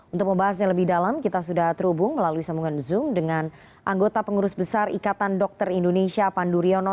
untuk membahasnya lebih dalam kita sudah terhubung melalui sambungan zoom dengan anggota pengurus besar ikatan dokter indonesia pandu riono